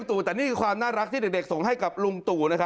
แต่ความรักได้ในความส่งให้หลังลุงตู้นะครับ